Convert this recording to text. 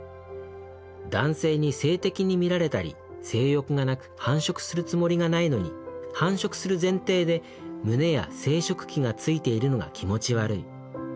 男性に性的に見られたり性欲がなく繁殖するつもりがないのに繁殖する前提で胸や生殖器がついてるのが気持ち悪い。